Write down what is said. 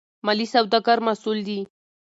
ملي سوداګر مسئول دي.